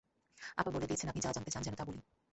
আপা বলে দিয়েছেন আপনি যা জানতে চান তা যেন বলি।